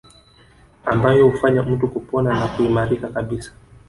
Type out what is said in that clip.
Ambayo hufanya mtu kupona na kuimarika kabisa